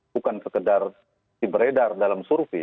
bukan sekedar diberedar dalam survei